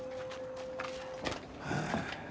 はあ。